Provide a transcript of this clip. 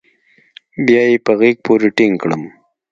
بيا يې په غېږ پورې ټينگ کړم.